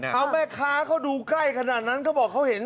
เอาแม่ค้าเขาดูใกล้ขนาดนั้นเขาบอกเขาเห็น